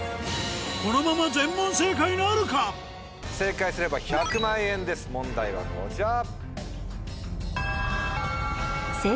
このまま正解すれば１００万円です問題はこちら。